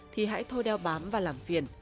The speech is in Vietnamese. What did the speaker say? thì hãy thôi đeo bám và làm phiền